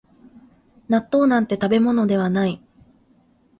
納豆なんて食べ物ではない